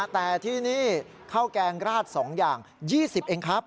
แต่ที่นี่ข้าวแกงราด๒อย่าง๒๐เองครับ